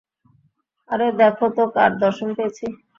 আরে, দেখো তো কার দর্শন পেয়েছি।